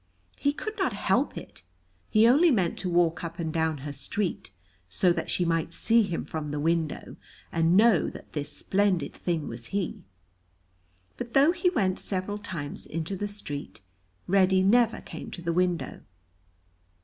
He could not help it. He only meant to walk up and down her street, so that she might see him from the window, and know that this splendid thing was he; but though he went several times into the street, Reddy never came to the window.